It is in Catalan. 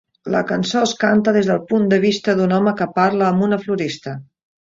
La cançó es canta des del punt de vista d'un home que parla amb una florista.